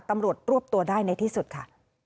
ตำรวจรวบตัวได้ในที่สุดค่ะ